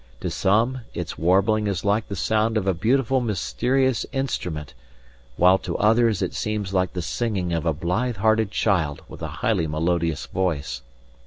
To some its warbling is like the sound of a beautiful mysterious instrument, while to others it seems like the singing of a blithe hearted child with a highly melodious voice.